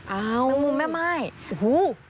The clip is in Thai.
เอ้าแมงมุมแม่ไม้โอ้โฮ